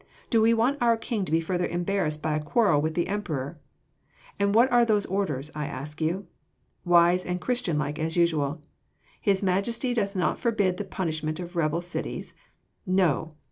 Do we want our King to be further embarrassed by a quarrel with the Emperor? And what are those orders, I ask you? Wise and Christianlike as usual. His Majesty doth not forbid the punishment of rebel cities No!